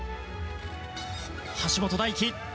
橋本大輝